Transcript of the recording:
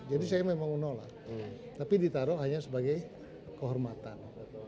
jadi saya memang menolak tapi ditaruh hanya sebagai kehormatan